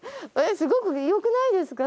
すごく良くないですか？